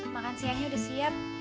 makan siangnya udah siap